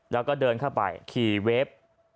แล้วก็เดินเข้าไปขี่เวฟ